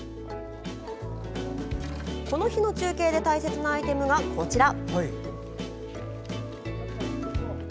この日の中継で大切なアイテムが、こちら。